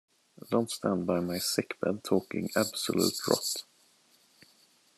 Don't stand by my sick bed talking absolute rot.